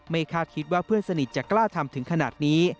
คาดคิดว่าเพื่อนสนิทจะกล้าทำถึงขนาดนี้